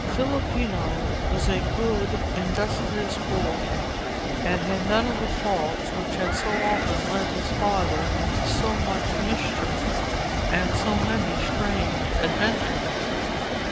Filippino was a good, industrious boy, and had none of the faults which had so often led his father into so much mischief and so many strange adventures.